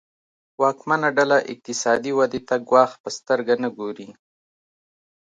واکمنه ډله اقتصادي ودې ته ګواښ په سترګه نه ګوري.